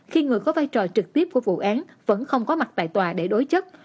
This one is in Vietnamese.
khi người có vai trò trực tiếp của vụ án vẫn không có mặt tại tòa để đối chất